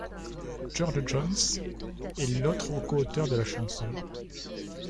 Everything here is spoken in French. George Jones est l'autre coauteur de la chanson.